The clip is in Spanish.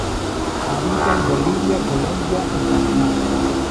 Habita en Bolivia, Colombia y Panamá.